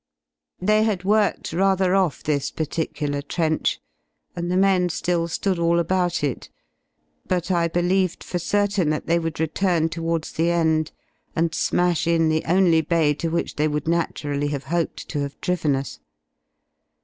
They had worked rather off this particular trench, and the men ^ill ^ood all about it, but I believed for certain that they would return towards the end and smash in the only bay to which they would naturally have hoped to have driven us.